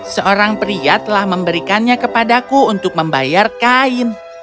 seorang pria telah memberikannya kepadaku untuk membayar kain